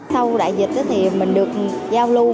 sau đại dịch thì mình được giao lưu